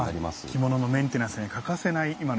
着物のメンテナンスに欠かせない今の技術だということですね。